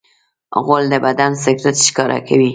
غول د بدن سګرټ ښکاره کوي.